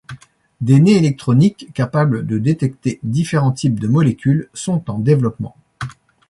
Des nez électroniques capables de détecter différents types de molécules sont en développement.